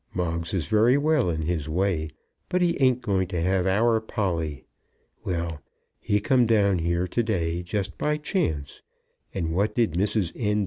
Moggs is very well in his way, but he ain't going to have our Polly. Well; he come down here to day, just by chance; and what did Mrs. N.